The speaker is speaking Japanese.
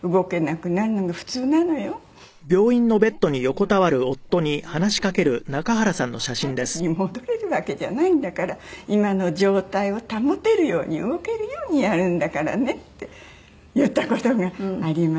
今リハビリやってたからって若い時に戻れるわけじゃないんだから今の状態を保てるように動けるようにやるんだからね」って言った事がありました。